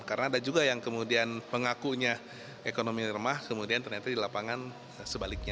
karena ada juga yang kemudian pengakunya ekonomi remah kemudian ternyata di lapangan sebaliknya